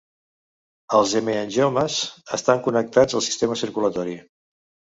Els hemangiomes estan connectats al sistema circulatori.